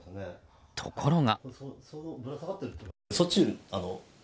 ところが。